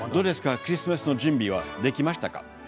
クリスマスの準備はできましたか。